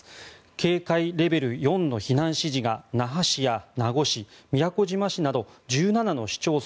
警戒レベル４の避難指示が那覇市や名護市宮古島市など１７の市町村